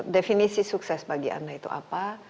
definisi sukses bagi anda itu apa